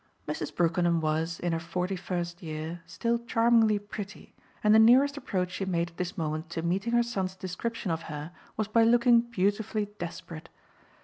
Mrs. Brookenham was, in her forty first year, still charmingly pretty, and the nearest approach she made at this moment to meeting her son's description of her was by looking beautifully desperate.